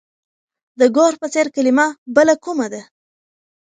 د ګور په څېر کلمه بله کومه ده؟